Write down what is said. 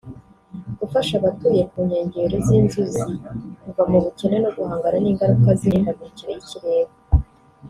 gufasha abatuye ku nkengero z’inzuzi kuva mu bukene no guhangana n’ingaruka z’imihindagukire y’ikirere